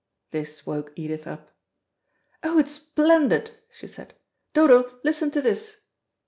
This woke Edith up. "Oh, it's splendid," she said. "Dodo, listen to this."